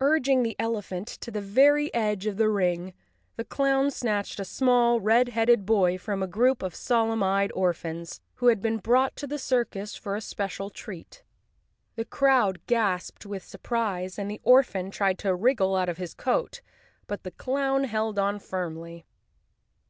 Urging the elephant to the very edge of the ring, the clown snatched a small, red headed boy from a group of solemn eyed orphans, who had been brought to the circus for a special treat. The crowd gasped with surprise, and the orphan tried to wriggle out of his coat, but the clown held on firmly.